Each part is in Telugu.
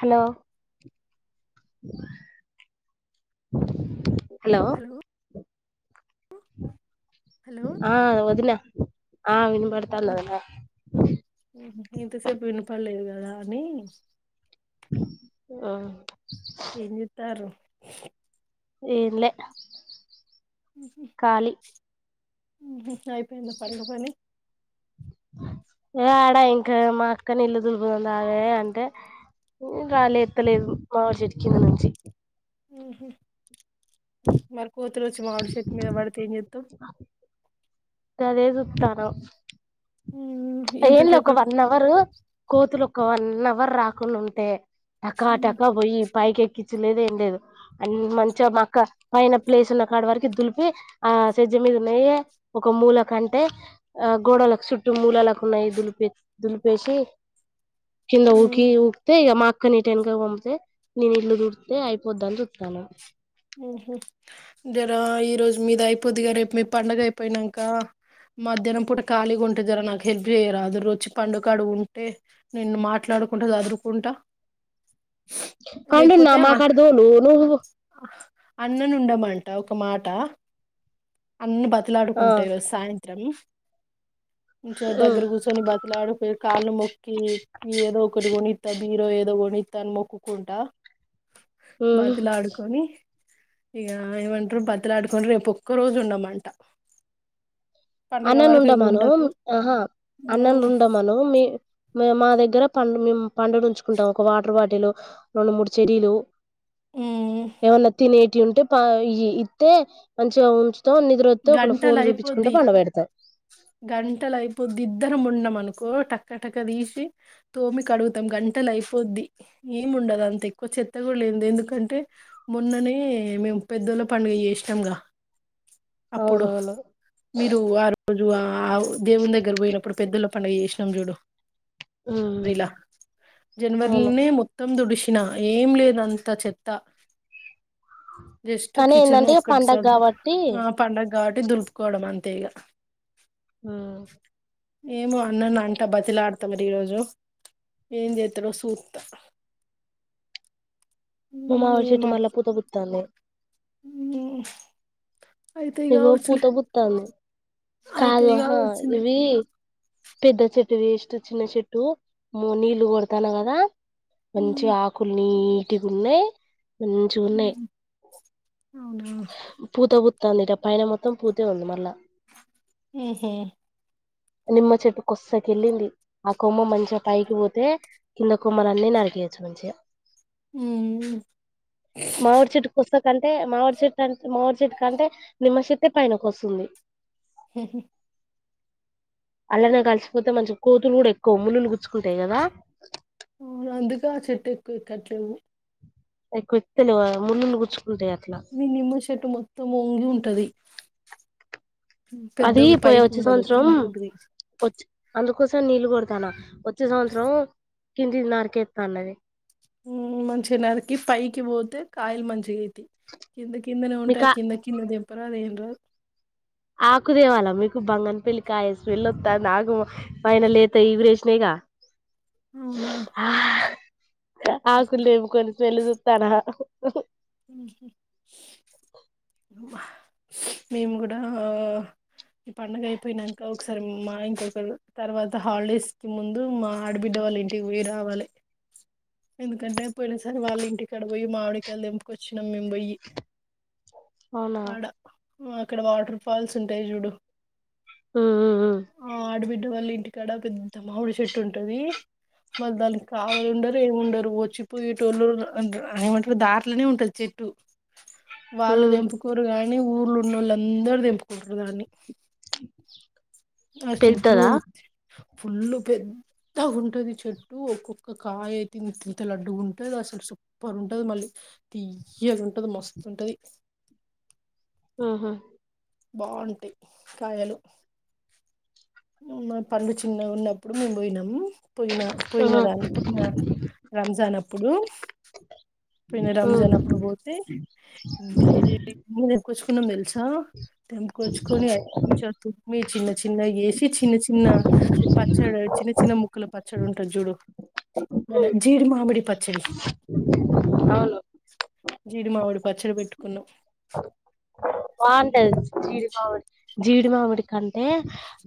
హలో అలో హలో హలో ఆ వదిన ఆ వినపడ్తాంద్ ఒదిన ఇంత సేప్ వినపడలేద్ గదా అని ఆ ఏంజేత్తార్రు ఏమ్లే కాలి గిప్పుడయిపోయింది పండ్గ పని యాడా ఇంకా మా అక్కని ఇల్లు దులుపుద్ దాయే అంటే గాలేత్తలే మామీ షెట్టు కిందినుంచి మ్ హ్ మర్కు ఒచ్చి మావిడ్ షెట్టు మీద పడితే ఏం చేత్తవ్ అదే చూత్తాన ఏం లే ఇంతసేపు ఒక వన్ అవరు కోతుల్ ఒక వన్ అవర్ రాకుండుంటే టకా టకా బోయి పైకెక్కించలేదు ఏం లేదు అన్ మంచిగ మా అక్క పైన ప్లేస్ ఉన్న కాడ వరకి దులిపి ఆసజ మీదున్నయే ఒక మూల కంటే అ గోడలక్ సుట్టు మూలలక్ న్నాయ్ దులిపి దులిపేషీ కింద ఊకి ఊక్తే ఇగ మాక్ కన్ నీటెన్క్గాక్ పంపితే నేన్ ఇల్లు దుడిత్తె అయిపోద్దాన్ చూత్తాన్నం మ్ హ్ జరా ఈ రోజ్ మీద్ అయిపోద్దిగా రేప్ మీ పండగ అయిపోయినాంక మధ్యాహ్నం పూట ఖాళీగుంటె జర నాక్ హెల్ప్ చేయరాదురుచ్చి పండుగాడుగుంటే నేను మాట్లాడ్ కుంటా జదురుకుంటా ఫండు నామా కాడ్దోలు ను అన్ననుండమంట ఒక మాటా అన్ని ఆ బతిలాడుకుంట ఈరోజ్ సాయంత్రం దగర గుసోని బతిలాడుకొ కాళ్ళు మొక్కి ఏదో ఒకటి కొనిత్త బీరో ఏదో కొనిత్త అన్ మొక్కుకుంటా మ్ హ్ ఇగా ఏమంటర్ బతిలాడుకొన్ రేప్ ఒక్క రోజ్ ఉండమంట పండగ వరకు ఇక అన్ననుండమను ఉండకు అహా ఉమ్, అన్ననుండమను మీ మా దగ్గర పం మేమ్ పండుగ ఉంచుకుంటాము ఒక వాటర్ బాటిలు రెండ్ మూడ్ చెరీలు ఉమ్, ఏమన్నా తినేటియ్ ఉంటే పా ఇయి ఇత్తే మంచిగా ఉంచ్ తా నిద్రొత్తె ఒకళ ఫోన్ చూపించుకుంట పండపెడతా గంటల అయిపోద్ది ఇద్దరం ఉన్నం అనుకో టక్క టక్క తీసి తోమి కడుగుతాం గంటల అయిఫోద్ది ఏముండదు అంత ఎక్కువ చెత్త గుడ లేది ఎందుకంటే మొన్ననే మేమ్ పెద్దోళ్ళ పండుగ జేష్ణంగా అప్పుడు అవునవును మీరు ఆ రొజ్ ఆ దేవుని దగ్గర పోయినప్పుడు పెద్దల పండగ చేసినాం చూడు ఇలా అవును జనవరిలోనే మొత్తం దుడు సిన ఏం లేదు అంతా చెత్తా కానీ ఏందంటే పండగ సదురు కాబట్టి ఆ పండగ కాబట్టి దులుపుకోవడం అంతే ఇగా ఏమో అన్నని అంట బతిమిలాడతా మరి ఈరోజు ఏం చేత్తరో సూత్త మా మామిడి చెట్టు మళ్ళా పూత పూత్తాంది హ్మ్ ఇగో పూత పూత్తాంది కాదు అయితయి ఆహా కావచ్చులే ఇవి పెద్ద చెట్టు వేస్ట్ చిన్న చెట్టు నీళ్లు కొడతాను కదా ఉమ్, మంచిగ ఆకులు నీటిగా ఉన్నాయి మంచిగ ఉన్నాయి ఉమ్, అవునా పూత పూత్తాందిట పైన మొత్తం పూతే ఉంది మళ్ళా ఊహూ నిమ్మ చెట్టు కొసకెళ్ళింది ఆ కొమ్మ మంచిగా పైకి పోతే కింద కొమ్మలన్నీ నరికియి యెచ్చు మంచిగా హ్మ్ మామిడి చెట్టు కొస్స కంటే మామిరి చెట్టు అంటే మామిరి చెట్టు కంటే నిమ్మ చెట్టే పైనకి వస్తుంది ఊహూ అల్లనే కలిసిపోతే మంచి కోతులు కూడా ఎక్కువ ముల్లు గుచ్చుకుంటాయి కదా [inaudible] అందుకా ఆ చెట్టెక్కువ కట్టలేము ఎక్కువ ఎత్తలేవా ముల్లులు గుచ్చు మీ నిమ్మ చెట్టు మొత్తం వంగి ఉంటది అది పెద్దగా పోయా పైకి వచ్చే ఉండదు సంవత్సరం కిందికి ఉంటది వచ్ అందుకు కోసం నీళ్ళు కొడతాన్నా వచ్చే సంవత్సరం కిందిది నరికేత్తా అన్నది ఊ మంచిగా నరికి పైకి పోతే కాయలు మంచిగి తి కింద కిందనే ఉంటా మీకు ఆ కింద కింద తెంపరాదు ఏం రాదు ఆకుదేవాలా మీకు బంగనపల్లి కాయ స్మెల్ వత్తాంది నాకు పైన లేత ఇగురేసినాయిగా అవునా ఆకులు తెంపుకోని స్మెల్లు జూత్తానా ఊహూ మేము కూడా ఆ ఈ పండుగ అయిపోయినంక ఒకసారి మా ఆయనకొకళ్ళు తర్వాత హాలిడేస్ కి ముందు మా ఆడబిడ్డ వాళ్ళ ఇంటికి పోయి రావాలి ఎందుకంటే పోయిన సారి వాళ్ళ ఇంటి కాడ పొయ్యి మామిడికాయలు తెంపు కొచ్చినాం మేం బొయ్యి అవునా ఊ అక్కడ వాటర్ ఫాల్స్ ఉంటాయి చూడు ఉమ్ ఉమ్ ఉమ్ ఆ ఆడబి డ వాళ్ళ ఇంటికాడ పెద్ద మామిడి చెట్టు ఉంటది వాళ్ళు దానికి కావాలుండరు ఏం ఉండరు వచ్చిపోయేటోళ్ళు [unintelligible] ఏమంటారు దార్ ట్లనే ఉంటది చెట్టు వాళ్ళు ఉమ్ తెంపుకోరు కాయ్ ని ఊర్లున్నోళ్ళందరూ తెంపుకుంటరు దాన్ని ఆ చెట్లు పెద్దదా ఫుల్లు పెద్దగ ఉంటంది చెట్టు ఒక్కొక్క కాయ అయితే ఇంతింత లడ్డు ఉంటుంది అసలు సూపర్ ఉంటది మళ్ళీ తీయ్యగా ఉంటది మస్తుంటుది ఆహా బావుంటాయి కాయలు మా పండు చిన్న ఉన్నప్పుడు మేము పోయినం పోయిన పోయిన ఉహు దాని పోయిన రంజాన్ అప్పుడు పన్న ఉమ్ రంజాన్ అప్పుడు పోతే ఇ కొను మిల్స దంకొచ్చుకొని అ పచ్చ తుమ్మి చిన్న చిన్న వేసి చిన్న చిన్న పచ్చడి చిన్న చిన్న ముకులు పచ్చడి ఉంటా జుడు న ఉమ్ జీడి మామిడి పచ్చడి అవును జీడి మావిడు పచ్చడి పెట్టుకున్నా బాగుంటది జీడి మామిడి జీడి మామిడి కంటే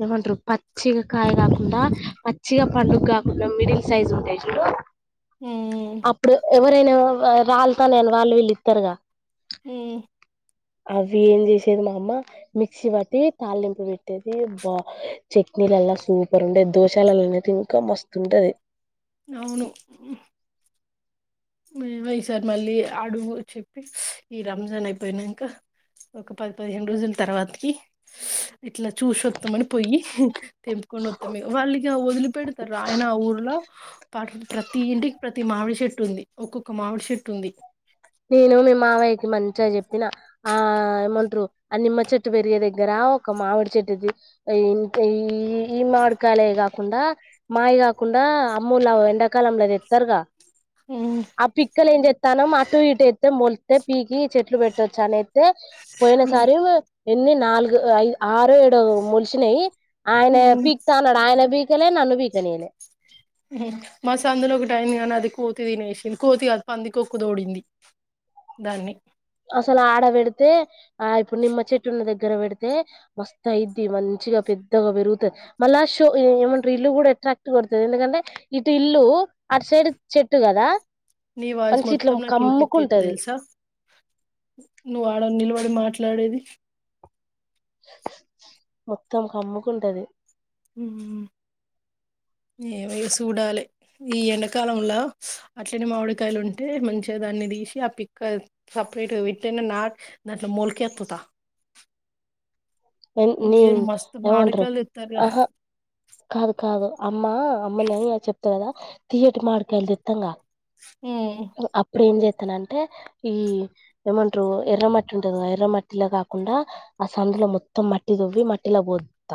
ఏమంటారు పచ్చిగా కాయ కాకుండా మచ్చిగా పండుగ కాకుండా మిడిల్ సైజ్ ఉంటాయి చూడు ఉమ్ అప్పుడు ఎవరైనా రాలతా నేను వాళ్ళు వీళ్ళు ఇస్తారుగా ఉ అవి ఏం చేసేది మా అమ్మ మిక్సీ పట్టి తాళిలింపులు పెట్టేది బా చె చట్నీలలా సూపర్ ఉండే దోశాలలో అనేది ఇంకా మస్తుంటది అవును వై సార్ మళ్ళీ అడుగు చెప్పి ఈ రంజాన్ అయిపోయినాంక ఒక పది పదిహేను రోజుల తర్వాతకి ఇట్లా చూసొస్తామని పోయి తెంపుకొని వత్తాం వాల్లిగా వదిలిపెడతారు ఆయన ఆ ఊర్లో పాట ప్రతి ఇంటికి ప్రతి మామిడి చెషట్టు ఉంది ఒక్కొక్క మామిడి చెషెట్టు ఉంది నేను మీ మావయ్యకి మంచిగా చెప్పిన ఆ ఏమంటారు ఆ నిమ్మ చెట్టు పెరిగే దగ్గర ఒక మామిడి చెట్టుది ఈ ఈ మామిడికాాల కాకుండా మావి కాకుండా కుండా అమ్మూలా ఎండాకాలంలోది ఇస్తారుగా ఉమ్, ఆ పిక్కల ఎ చెత్తాన అ టూ ఇటు ఎత్తే ములితే పీకి చెట్లు పెట్టొచ్చు అన అయితే పోయిన ఉమ్, సారి ఎన్ని నాలుగుఐ ఆరు ఏడుో ములిసినయి ఆయన ఉమ్, పీక్తా అన్నాడు ఆయన పీక్ కలే నన్ను పీకనీలే మ సందులో ఒక టైం కానీ అది కోతి తినేసింది కోతి అది పంది కొక్కు తోడింది దాన్ని అసలు ఆడ పెడితే ఆ ఇప్పుడు నిమ్మ చెట్టున్న దగ్గర పెడితే మస్తాయిది మంత మంచిగా పెద్దగా పెరుగుతుంది మళ్ళా షో ఏమంటారు ఇల్లు కూడా అట్రాక్ట్ కడుతుంది ఎందుకంటే ఇటు ఇల్లు అటు సైడ్ చెట్టు కదా నీ వాయిస్ మంచి ఇట్లా మొత్తం నాకు ఇనిపిత్తింది కమ్ముకుంటది తెలుసా నువ్వు ఆడ నిలబడి మాట్లాడేది మొత్తం కమ్ముకుంటది ఉ [inaudible] ఏమ సూడాలే ఈ ఎండాకాలంలో అట్లంటి మామిడికాయలు ఉంటే మంచిగా దాన్ని తీసి ఆ పిక్క సపరేట్ పెట్టనే నాట్ దాంట్లో మోల్కెత్తుతా [inaudible] ఎ ఏం నన్ మస్తు ఎమంటారు మామిడికాయలు తెత్తారుగా ఆహా కాదు కాదు అమ్మా అమ్మ ని చెప్తా కదా తియ్యటి మాడికాయలు దేత్తం గ ఉమ్ అప్పుడ ఏం చే అతన అంటే ఈ ఏమంటారు ఎర్రమట్టి ఉంటుంది కదా ఎర్రమట్టిలో కాకుండా ఆ సందులో మొ మొత్తం మట్టి దువ్వి మట్టిలా పోత్త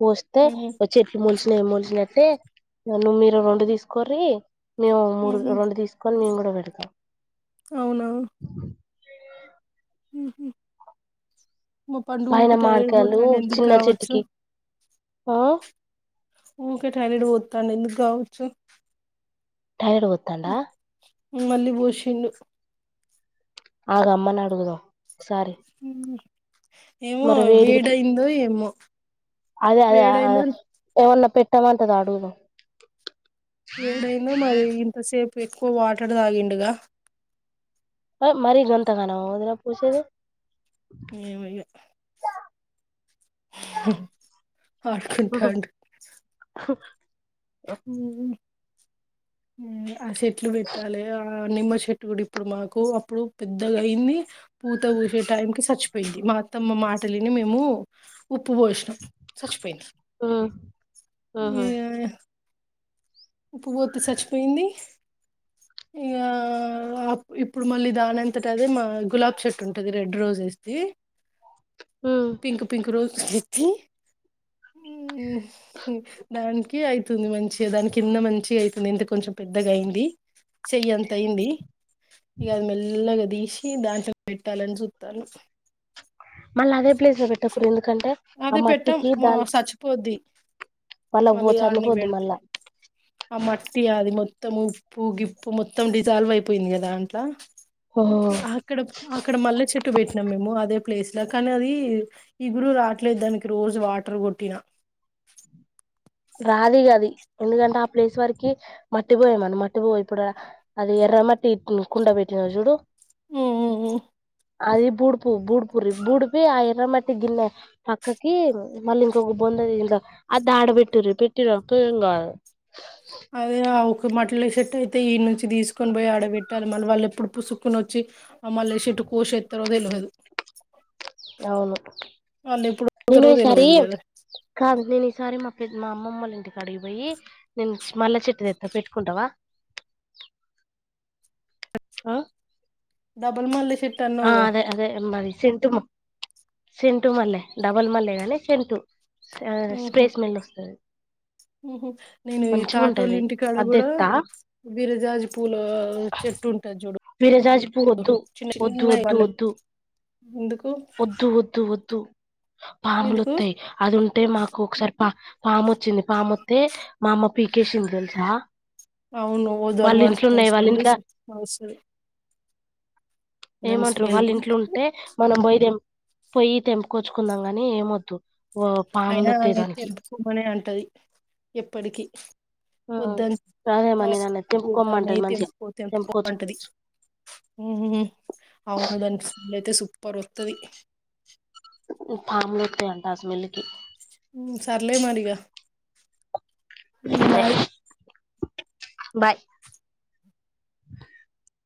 పోస్తే ఉహు చెట్లు మొలిసి నే మసినయితే నువ్వు మీరు రెండు తీసుకోర్రి మేము మూడు రెండు తీసుకొని మేము ఎడుక అవునవు మా పైన పండుగకి మాడికాయలు టైపోతుండి ఎందుకు చిన్న కావచ్చు చెట్టుకి ఆ ఊకే టాయిలెట్ పోతాంది ఎందుకు కావచ్చు టాయిలెట్ పొత్తండా మళ్ళీ పోషిండు ఆగా అమ్మని అడుగుదా సారీ ఉమ్. ఏమో వేడయిందో ఏమో అదే అదే వేడైందో ఎమన్నా పెట్టామంటదో అడుగుదం వేడైందో మరి ఇంతసేపు ఎక్కువ వాటర్ తాగిండుగా మరి గన్ంతగాానా వదినకు పూసేది ఏమొ ఇగ ఉహు ఆదుకుంటండు డ్ హు ఆ చెెట్లు విట్టాలే అ నిమ్మ చెట్టు కూడా ఇప్పుడు మాకు అప్పుడు పెద్దగా అయింది పూత పూసే టైం కి చచ్చిపోయింది తమ మాటలిని మేము ఉప్పు పోషినం చచ్చిపోఇంది ఉ ఉహు ఉప్పు పోతే చచ్చిపోయింది ఇగ ఇప్పుడు మళ్ళీ దానంతట అదే మా గులాబ్ చెట్టు ఉంటది red roses the uh pink pink rose తి అ హు మ్ దానికి అవుతుంది మంచిగా దానికింద మంచిగా అవుతుంది ఇంత కొంచెం పెద్దగా అయింది చెయ్య అంత ఇంది ఇగ అది మెల్లగా తీసి దాంట్లో పెట్టాలని చూస్తాను మళ్ళీ అదే ప్లేస్ లో పెట్టకూడదు ఎందుకంటే ఆ అదే మట్టికి దాన్ మళ్ళ ఆడనే బేడతే మళ్ళా ఆ మట్టి అది మొత్ మొత్తం ఉప్పు గిప్పు మొత్తం డిజాల్వ్ అయిపోయింది కదాంట్ల అక్కడ అక్కడ మల్లె చెట్టు పెట్టినాం మేము అదే ప్లేస్ లో కానీ అది ఈ గురు రా అట్లేద్దానికి రోజు వాటర్ కొట్టినా రాదిగాది ఎందుకంటే ఆ ప్లేస్ వరకి మట్టి పోయమను మట్టి పో ఇప్పుడు అది ఎర మా కుండ పెటిన జూడు మ్ మ్ మ్మ్ అది బూడుపు బూడుపూరి బూడిపి ఆ ఎర్రమట్టి గిన్నె పక్కకి మళ్ళీ ఇంకొక బొ అది దాడ పెట్టిరి పెట్టిరునుకో ఎం కదూ మట్లషట్టు అయితే ఈ నుంచి తీసుకొని పోయి ఆడబెట్టాలి మన వాళ్ళ ఎప్పుడు పుసుకుని వచ్చి మళ్ళ షట్ కోశేత్తరో తెలువదు అవును వాళ్ళు ఎప్పుడు నిను పోతారో ఈసారి తెలవదు కదా కాదు నిను ఈసారి మ మా అమ్మమ్మల్ల ఇంటికి అడిగిపోయి నేను మల్ల చెట్టు తెత్తా పెట్టుకుంటావా ఆ డబల్ మల్లె ష్ ఆ అదే అదే మరి సెంటు మల్లె డబల్ మల్లె గాని సెంటు ఆ స్ప్రేయ్ స్మెల్ వస్తది మ్ హు నేను ఈ మంచిగా తాతిల్ల ఉంటది ఇంటికాడ కూడా అద్దెట్టా విీరజాజి పూల చెట్టు ఉంటుది చూడు మీరజాజపూవ్వు వద్దు చిన్న వద్దు చిన్నయి వద్దు వాళ్ళ వద్దు ఎందుకు వద్దు వద్దు వద్దు ఎందుకు పాములోత్తాయ్ అది ఉం అంటే మాకు ఒకసారి పా పామొచ్చింది పామ్ వస్తే మా అమ్మ పీకేసింది తెలుసా అవును వాళ్ళ ఇంట్లో దాని ఉన్నాయి వాళ్ళ స్మెల్ ఇంట్ల సూపర్ వస్తది దాని ఏమంటారు స్మెల్ వాళ్ళ ఇంట్లో ఉంటే మనం బోయ్ తెమ్ పోయి తెంపుికొచ్చుకుందాం కాని ఏమొద్దు ఓ అయినా పాములొత్తయి ఆమె దానికి ఎంతకుమనే అంటది ఎప్పటికి ఆ వద్దన్ అదే మరి నన్ను ద్ద న తెంపుకోమ్మంటది మంచిగా తెంపుకో తెంపుకో అంటది తెంపుకొచ్చుకోవచ్చు ఉ అవున దాని అయితే సూపర్ ఓస్తది పాములు ఓతయంట అంట ఆ స్మెల్కి సర్లే మరిగ కి బాయ్ బాయ్ [unintelligible]